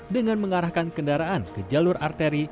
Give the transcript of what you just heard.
dengan mengarahkan kendaraan ke jalur arteri